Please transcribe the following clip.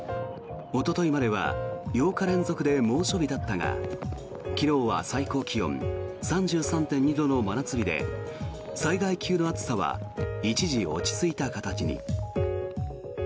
おとといまでは８日連続で猛暑日だったが昨日は最高気温３３．２度の真夏日で災害級の暑さは一時落ち着いた形に。